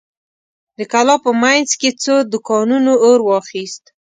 د کلا په مينځ کې څو دوکانونو اور واخيست.